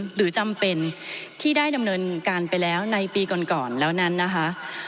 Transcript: หรือจำเป็นที่ได้ดำเนินการไปแล้วในปีก่อนก่อนแล้วนั้นนะคะ